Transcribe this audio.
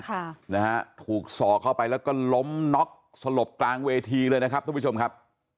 ค่ะนะฮะถูกสอกเข้าไปแล้วก็ล้มน็อกสลบกลางเวทีเลยนะครับทุกผู้ชมครับ